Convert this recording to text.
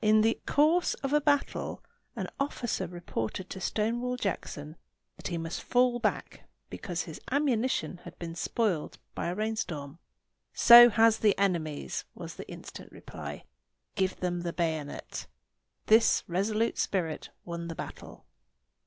In the course of a battle an officer reported to Stonewall Jackson that he must fall back because his ammunition had been spoiled by a rainstorm. "So has the enemy's," was the instant reply. "Give them the bayonet." This resolute spirit won the battle.